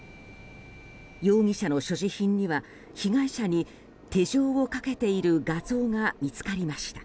容疑者の所持品には被害者に手錠をかけている画像が見つかりました。